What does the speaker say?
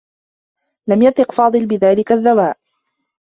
لم يثق فاضل بذلك الدّواء.